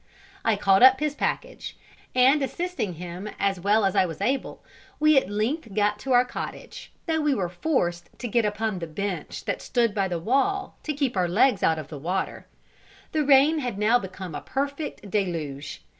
I caught up his package; and assisting him as well as I was able, we at length got to our cottage, though we were forced to get upon the bench that stood by the wall to keep our legs out of the water. The rain had now become a perfect deluge.